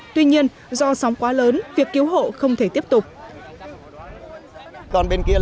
tuy nhiên do sóng quá lớn việc cứu hộ không thể tiếp tục